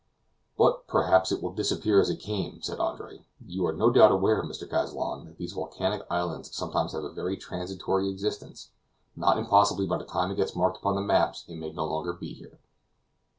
"But, perhaps, it will disappear as it came," said Andre. "You are no doubt aware, Mr. Kazallon, that these volcanic islands sometimes have a very transitory existence. Not impossibly, by the time it gets marked upon the maps it may no longer be here."